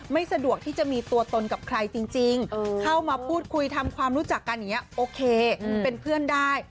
ไม่สะดวกที่จะมีตัวตนกับใครจริงเข้ามาพูดคุยทำความรู้จักกันอย่างนี้โอเคเป็นเพื่อนได้